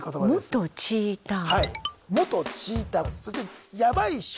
「元チーター」？